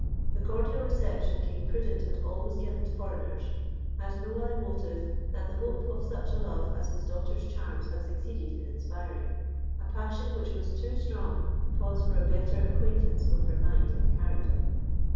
The cordial reception King Prudent had always given to foreigners had no other motive than the hope of such a love as his daughter's charms had succeeded in inspiring a passion which was too strong to pause for a better acquaintance with her mind and character.